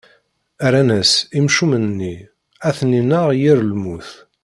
Rran-as: Imcumen-nni, ad ten-ineɣ yir lmut.